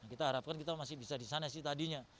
kita harapkan kita masih bisa di sana sih tadinya